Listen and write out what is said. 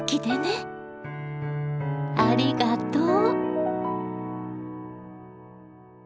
ありがとう。